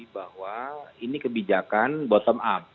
bahwa ini kebijakan bottom up